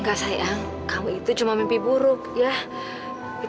kata ibu kan bapak udah meninggal